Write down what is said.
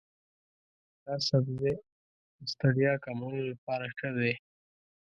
دا سبزی د ستړیا کمولو لپاره ښه دی.